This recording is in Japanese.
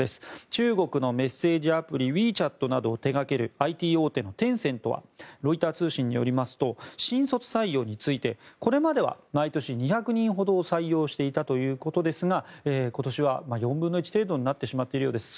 中国のメッセージアプリＷｅＣｈａｔなどを手掛けるＩＴ大手のテンセントはロイター通信によりますと新卒採用についてこれまでは毎年２００人ほどを採用していたということですが今年は４分の１程度になってしまっているようです。